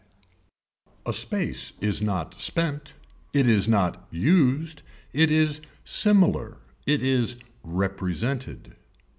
D. A space is not spent, it is not used, it is similar, it is represented.